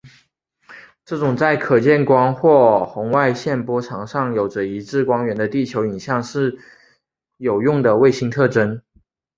这种在可见光或红外线波长上有着一致光源的地球影像是有用的卫星特征。